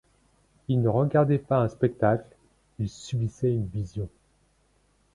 Il ne regardait pas un spectacle ; il subissait une vision.